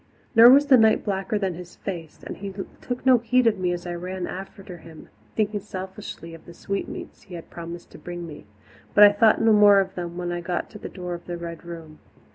Nor was the night blacker than his face, and he took no heed of me as I ran after him, thinking selfishly of the sweetmeats he had promised to bring me but I thought no more of them when I got to the door of the Red Room.